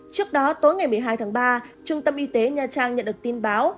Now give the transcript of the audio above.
trước đó tối ngày một mươi hai tháng ba trung tâm y tế nha trang nhận được tin báo